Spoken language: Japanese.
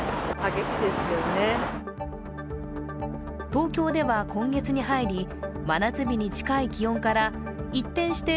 東京では今月に入り、真夏日に近い気温から一転して